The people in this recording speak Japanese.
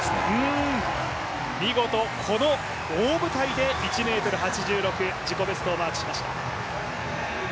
見事この大舞台で１ｍ８６自己ベストをマークしました。